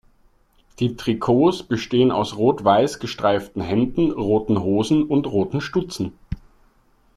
Die Trikots bestehen aus rot-weiß gestreiften Hemden, roten Hosen und roten Stutzen.